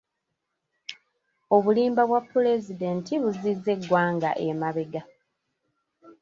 Obulimba bwa Pulezidenti buzizza eggwanga emabega.